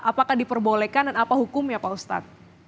apakah diperbolehkan dan apa hukumnya pak ustadz